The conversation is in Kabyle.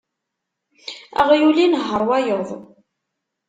Aɣyul inehheṛ wayeḍ.